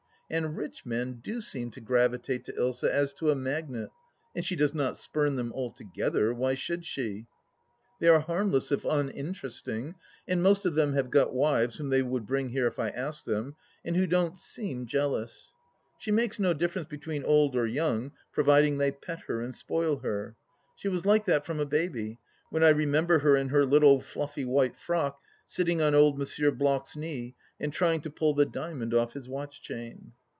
And rich men do seem to gravitate to Ilsa as to a magnet, and she does not spurn them, altogether ; why should she ? They are harmless if uninteresting, and most of them have got wives whom they would bring here if I asked them, and who don't seem jealous. She makes no difference between old or young, providing they pet her and spoil her. She was like that from a baby, when I remember her in her little fluffy white frock, sitting on old M. Bloch's knee, and trying to pull the diamond off his watch chain.